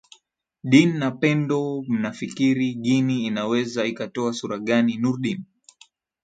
din na pendo mnafikiri guinea inaweza ikatoa sura gani nurdin